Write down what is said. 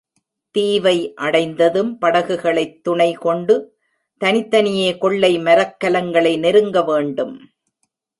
தீவை அடைந்ததும், படகுகளைத் துணைகொண்டு தனித்தனியே கொள்ளை மரக்கலங்களை நெருங்கவேண்டும்.